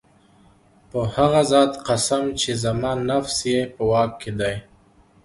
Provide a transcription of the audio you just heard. په هغه ذات قسم چي زما نفس ئې په واك كي دی